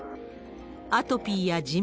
アトピーやじん